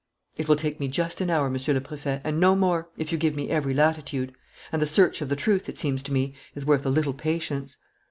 "It will take me just an hour, Monsieur le Préfet, and no more, if you give me every latitude. And the search of the truth, it seems to me, is worth a little patience."